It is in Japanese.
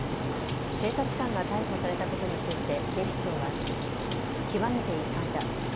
警察官が逮捕されたことについて警視庁は極めて遺憾だ。